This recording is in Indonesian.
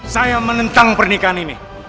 saya menentang pernikahan ini